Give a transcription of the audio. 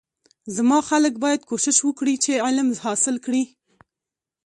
زما خلک باید کوشش وکړی چی علم حاصل کړی